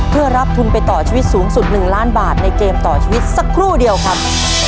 เพื่อรับทุนไปต่อชีวิตสูงสุด๑ล้านบาทในเกมต่อชีวิตสักครู่เดียวครับ